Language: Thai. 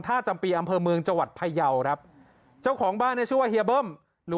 ท่าจำปีอำเภอเมืองจวัดไพเยาครับเจ้าของบ้านชื่อว่าเฮียเบิ้มหรือ